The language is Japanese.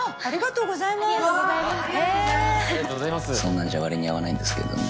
そんなんじゃ割に合わないんですけどね。